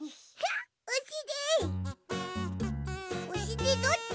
おしりどっち？